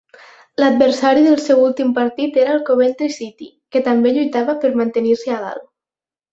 L'adversari del seu últim partit era el Coventry City, que també lluitava per mantenir-se a dalt.